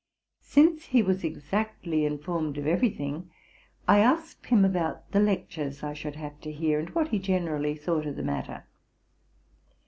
Since he was exactly informed of eyery thing, I asked him about the lectures I should have to hear, and what he generally thought of the matter.